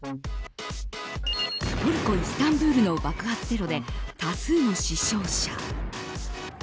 トルコ・イスタンブールの爆発テロで多数の死傷者。